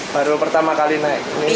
baru pertama kali naik